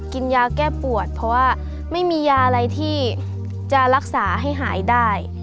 กินยาแก้ปวดเพราะว่าไม่มียาอะไรที่จะรักษาให้หายได้